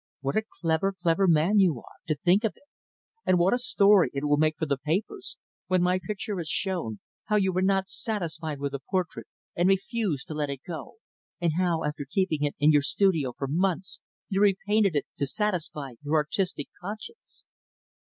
"What a clever, clever man you are, to think of it! And what a story it will make for the papers when my picture is shown how you were not satisfied with the portrait and refused to let it go and how, after keeping it in your studio for months, you repainted it, to satisfy your artistic conscience!"